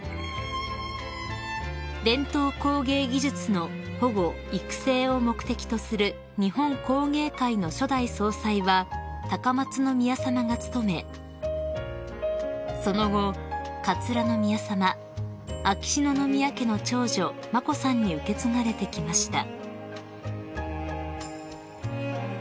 ［伝統工芸技術の保護育成を目的とする日本工芸会の初代総裁は高松宮さまが務めその後桂宮さま秋篠宮家の長女眞子さんに受け継がれてきました］